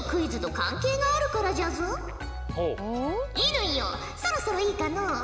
乾よそろそろいいかのう？